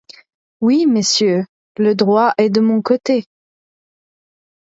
Oui, Messieurs, le droit est de mon côté.